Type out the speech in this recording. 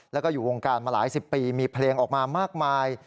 แล้วก็อยู่วงการมาหลายสิบปีมีเพลงออกมามากมาย